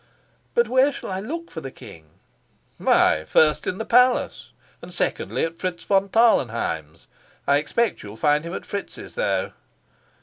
"But where shall I look for the king?" "Why, first in the palace, and secondly at Fritz von Tarlenheim's. I expect you'll find him at Fritz's, though."